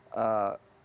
nah ini dikira kira